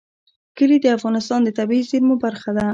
کلي د افغانستان د طبیعي زیرمو برخه ده.